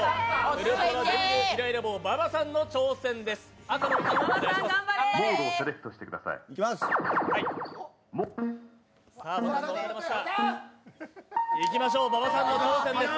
ウルトラ電流イライラ棒、馬場さんの挑戦です。